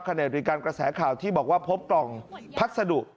ขณะดีกันกระแสข่าวที่บอกว่าพบกล่องพักศ่าดุ